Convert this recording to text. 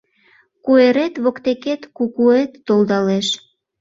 Куэрет воктекет кукуэт толдалеш